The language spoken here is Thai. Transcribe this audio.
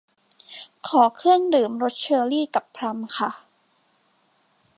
ขอเครื่องดื่มรสเชอรี่กับพลัมค่ะ